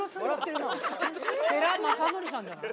世良公則さんじゃない？